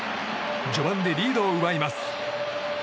序盤でリードを奪います。